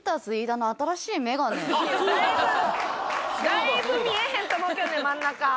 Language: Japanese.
だいぶ見えへんと思うけどね真ん中。